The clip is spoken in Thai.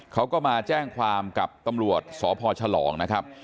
เขาก็มาแจ้งความกับตำรวจสพฉลองนะครับ